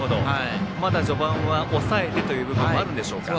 まだ序盤は抑えてという部分もあるんでしょうか。